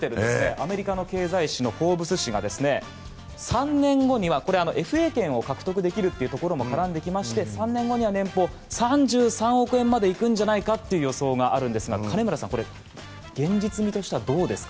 アメリカの経済誌の「フォーブス」誌が、３年後にはＦＡ権を獲得できることも絡んできまして３年後には年俸が３３億円までいくんじゃないかという予想があるんですが金村さん、現実味としてはどうですか？